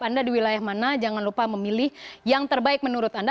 anda di wilayah mana jangan lupa memilih yang terbaik menurut anda